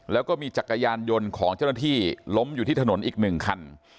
แล้วก็มีจักรยานยนต์ของเจ้าหน้าที่ล้มอยู่ที่ถนนอีกหนึ่งคัน